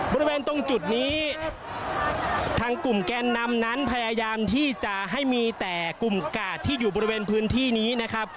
บริเวณตรงจุดนี้ทางกลุ่มแกนนำนั้นพยายามที่จะให้มีแต่กลุ่มกาดที่อยู่บริเวณพื้นที่นี้นะครับ